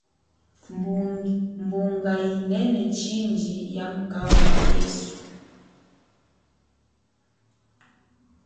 Mbunga inene chindji ya mukaula yesu.